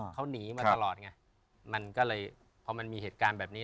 เขาหนีมาตลอดไงมันก็เลยพอมันมีเหตุการณ์แบบนี้